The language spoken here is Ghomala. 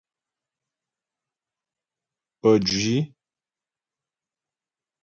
Pəjwî.